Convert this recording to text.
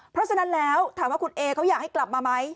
เพราะฉะนั้นแล้วถามว่าคุณเอเขาอยากให้กลับมาไหม